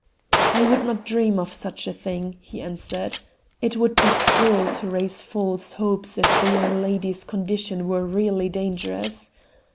"I would not dream of such a thing," he answered. "It would be cruel to raise false hopes if the young lady's condition were really dangerous.